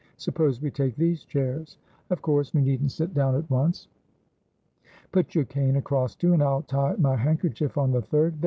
Suppose we take these chairs? Of course we needn't sit down at once. Put your cane across two, and I'll tie my handkerchief on the third.